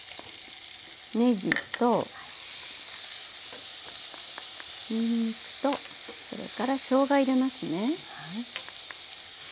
ねぎとにんにくとそれからしょうが入れますね。